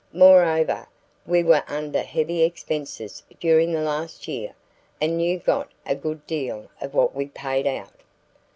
"Moreover, we were under heavy expenses during the last year and you got a good deal of what we paid out."